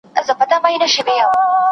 ټول مېږي وه خو هر ګوره سره بېل وه